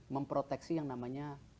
memproteksi yang namanya